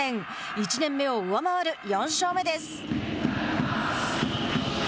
１年目を上回る４勝目です。